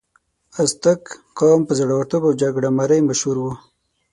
ازتک قوم په زړورتوب او جګړې مارۍ مشهور و.